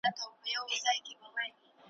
شړنګ دې د لاس د بنګړو غلی مۀ شه